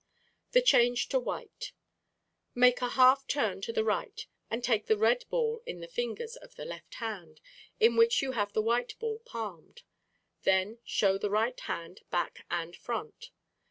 The Change to White.—Make a half turn to the right and take the red ball in the fingers of the left hand, in which you have the white ball palmed. Then show the right hand, back and front.